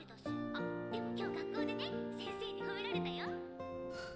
あっでも今日学校でね先生に褒められたよ。